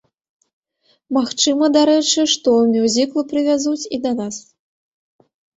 Магчыма, дарэчы, што мюзікл прывязуць і да нас.